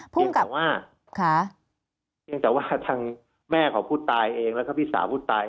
พิธีพิธีพรัพยาวะ